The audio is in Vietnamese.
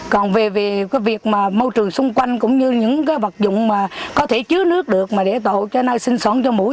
còn về việc môi trường xung quanh cũng như những vật dụng có thể chứa nước được để tổ cho nơi sinh sản cho mũi